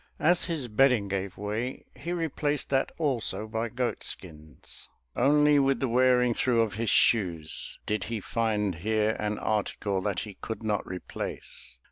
As his bedding gave way, he replaced that also by goatskins. Only with the wearing through of his shoes did he find here an article that he could not replace.